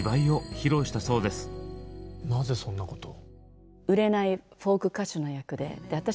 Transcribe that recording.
なぜそんなことを？